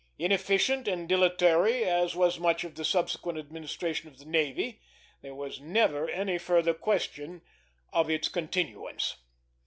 Inefficient and dilatory as was much of the subsequent administration of the navy, there was never any further question of its continuance.